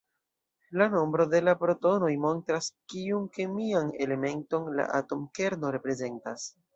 La nombro de la protonoj montras, kiun kemian elementon la atomkerno reprezentas.